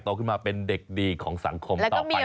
ขึ้นมาเป็นเด็กดีของสังคมต่อไป